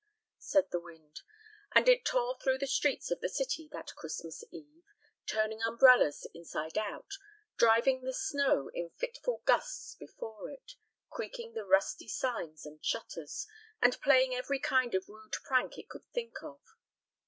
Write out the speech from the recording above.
said the wind, and it tore through the streets of the city that Christmas eve, turning umbrellas inside out, driving the snow in fitful gusts before it, creaking the rusty signs and shutters, and playing every kind of rude prank it could think of.